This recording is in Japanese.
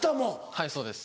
はいそうです。